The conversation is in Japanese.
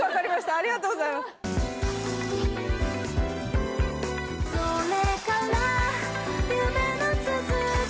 ありがとうございますあれ？